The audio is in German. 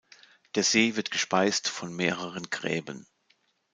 Der See wird gespeist von mehreren Gräben.